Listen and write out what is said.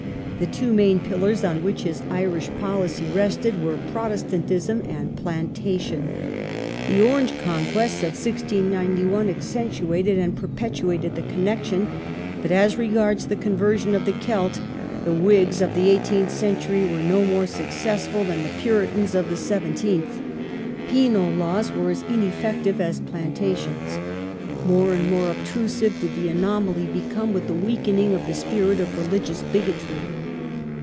The two main pillars on which his Irish policy rested were Protestantism and plantation. The Orange conquest of 1691 accentuated and perpetuated the connection ; but as re gards the conversion of the Celt, the Whigs of the eighteenth century were no more successful than the Puritans of the seven teenth. Penal laws were as ineffective as plantations. More and more obtrusive did the anomaly become with the weakening of the spirit of religious bigotry.